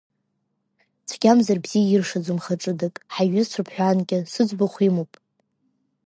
Цәгьамзар бзиа иршаӡом хаҿыдак, ҳаиҩызцәоуп ҳәа анкьа, сыӡбахә имоуп…